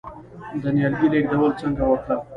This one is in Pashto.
د نیالګي لیږدول څنګه وکړم؟